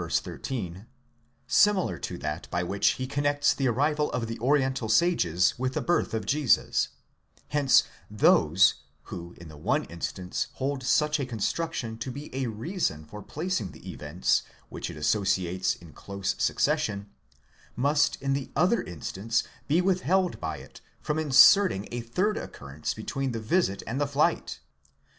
13) similar to that by which he connects the arrival of the oriental sages with the birth of Jesus; hence those, who in the one instance hold such a construction to be a reason for placing the events which it associates in close succession, must in the other instance be withheld by it from inserting a third occurrence between the visit and the flight.